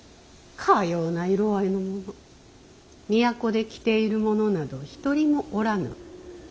かような色合いのもの都で着ている者など一人もおらぬ。